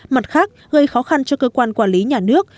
mặt khác gây khó khăn cho cơ quan quản lý nhà nước